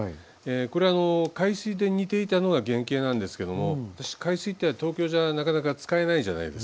これは海水で煮ていたのが原形なんですけども海水って東京じゃなかなか使えないじゃないですか。